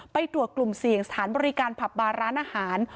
ไปตรวจกลุ่มเสี่ยงสถานบริการผับบาร้านอาหาร